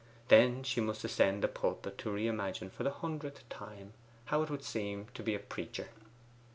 Then she must ascend the pulpit to re imagine for the hundredth time how it would seem to be a preacher.